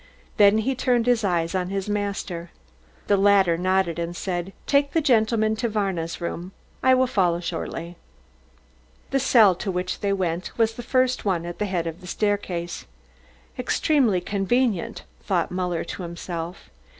Then he turned his eyes on his master. The latter nodded and said: "Take the gentleman to Varna's room. I will follow shortly." The cell to which they went was the first one at the head of the staircase. "Extremely convenient," thought Muller to himself.